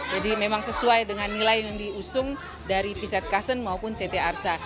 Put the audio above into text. jadi memang sesuai dengan nilai yang diusung dari pz cousins maupun ctrsa